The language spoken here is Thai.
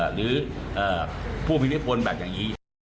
หรือผู้พิทพลแบบอย่างนี้